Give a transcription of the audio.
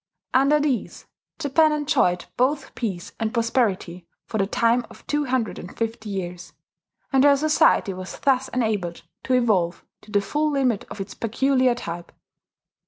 Under these, Japan enjoyed both peace and prosperity for the time of two hundred and fifty years; and her society was thus enabled to evolve to the full limit of its peculiar type.